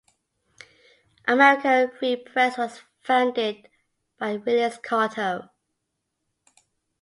"American Free Press" was founded by Willis Carto.